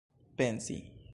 pensi